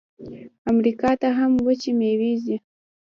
امریکا ته هم وچې میوې ځي.